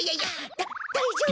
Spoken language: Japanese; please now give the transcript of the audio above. だだいじょうぶです！